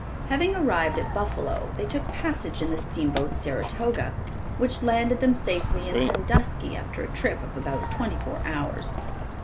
Having arrived at Buffalo, they took passage in the steamboat Saratoga, which landed them safely in Sandusky after a trip of about twenty four hours.